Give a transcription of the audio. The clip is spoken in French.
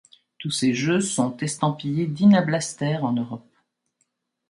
Tous ces jeux sont estampillées Dyna Blaster en Europe.